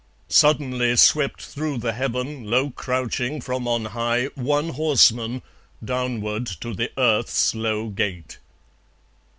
Suddenly Swept through the heaven low crouching from on high, One horseman, downward to the earth's low gate.